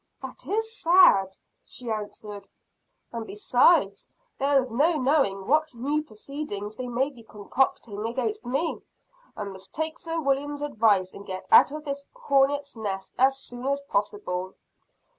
"That is sad," she answered. "And, besides, there is no knowing what new proceedings they may be concocting against me. I must take Sir William's advice, and get out of this hornet's nest as soon as possible."